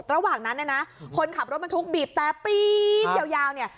ระหว่างนั้นเนี่ยนะคนขับรถบรรทุกบีบแต่ปี๊ดยาวเนี่ย